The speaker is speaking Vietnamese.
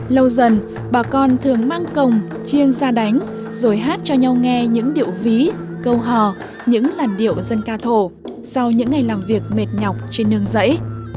lâu dần bà con thường mang cồng chiêng ra đánh rồi hát cho nhau nghe những điệu ví câu hò những làn điệu dân ca thổ sau những ngày làm việc mệt nhọc trên nương rẫy